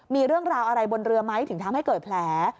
มีเรื่องราวอะไรบนเรือไหมถึงทำให้เกิดแผล